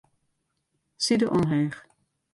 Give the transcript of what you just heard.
Side omheech.